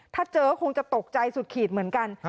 ถ้าเจอคงจะตกใจสุดขีดเหมือนกัน